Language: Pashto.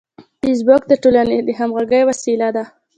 فېسبوک د ټولنې د همغږۍ وسیله ده